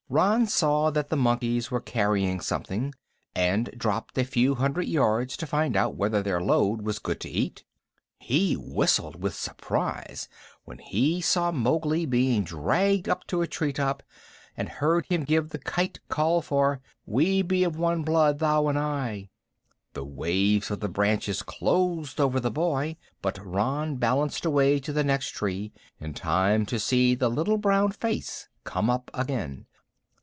Rann saw that the monkeys were carrying something, and dropped a few hundred yards to find out whether their load was good to eat. He whistled with surprise when he saw Mowgli being dragged up to a treetop and heard him give the Kite call for "We be of one blood, thou and I." The waves of the branches closed over the boy, but Rann balanced away to the next tree in time to see the little brown face come up again.